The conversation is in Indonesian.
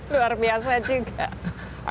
luar biasa juga